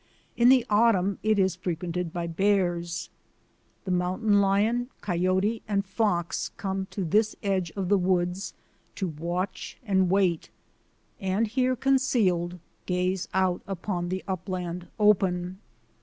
In the autumn it is frequented by bears. The mountain lion, coyote, TREES AT TIMBERLINE 73 and fox come to this edge of the woods to watch and wait, and here concealed gaze out upon the upland open.